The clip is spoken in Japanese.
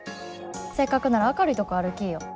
せっかくなら明るいとこ歩きいよ。